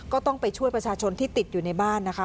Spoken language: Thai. ก็ต้องไปช่วยประชาชนที่ติดอยู่ในบ้านนะคะ